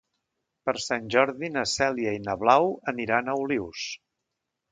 Per Sant Jordi na Cèlia i na Blau aniran a Olius.